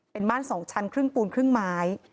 เป็นบ้าน๒ชั้นครึ่งปูนครึ่งไม้